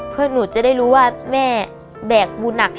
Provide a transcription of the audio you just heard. เพื่อนหนูจะได้รู้ว่าแม่แบกบูลหนักแค่ไหนค่ะ